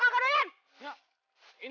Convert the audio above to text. gue gak kenain